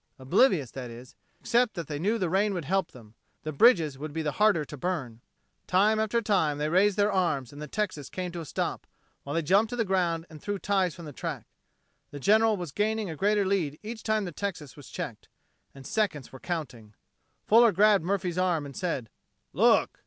Oblivious, that is, except that they knew the rain would help them. The bridges would be the harder to burn. Time after time, they raised their arms and the Texas came to a stop, while they jumped to the ground and threw ties from the track. The General was gaining a greater lead each time the Texas was checked. And seconds were counting. Fuller grabbed Murphy's arm, and said: "Look!"